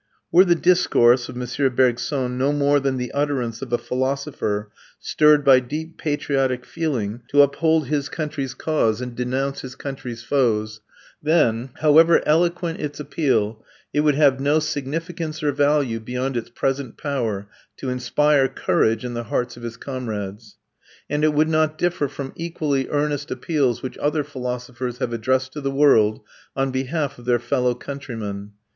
Were the discourse of M. Bergson no more than the utterance of a philosopher stirred by deep patriotic feeling to uphold his country's cause and denounce his country's foes, then, however eloquent its appeal, it would have no significance or value beyond its present power to inspire courage in the hearts of his comrades. And it would not differ from equally earnest appeals which other philosophers have addressed to the world on behalf of their fellow countrymen.